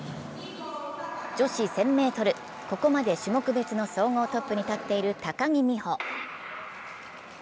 女子１０００ｍ、ここまで種目別の総合トップに立っている高木美帆。